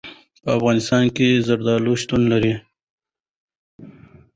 په افغانستان کې زمرد شتون لري.